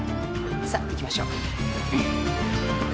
さあ行きましょう。